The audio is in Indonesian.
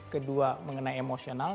kedua mengenai emosional